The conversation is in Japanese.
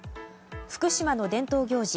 福島の伝統行事